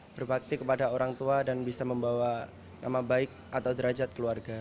berbakti kepada orang tua dan bisa membawa nama baik atau derajat keluarga